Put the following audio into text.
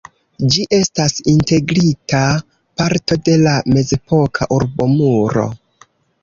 Ĝi estas integrita parto de la mezepoka urbomuro.